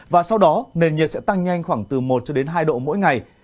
và sau đó nền nhiệt sẽ tăng nhanh khoảng từ một cho đến hai độ mỗi ngày